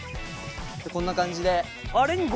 こんな感じで。